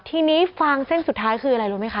ทีนี้ฟางเส้นสุดท้ายคืออะไรรู้ไหมคะ